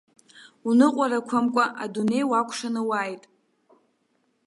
Уныҟәарақәамкәа, адунеи уакәшаны уааит!